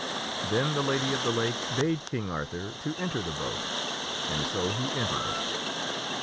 Then the Lady of the Lake bade King Arthur to enter the boat, and so he entered it.